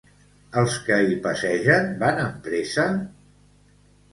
Els que hi passegen van amb pressa?